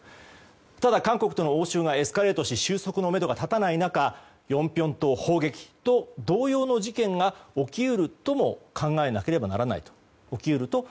ただ韓国との応酬がエスカレートし収束のめどが立たない中ヨンピョン島砲撃と同様の事件が起き得るとも考えなければならないと。